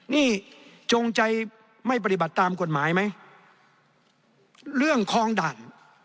นี่จงใจไม่ปฏิบัติตามกฎหมายไหมเรื่องคลองด่าน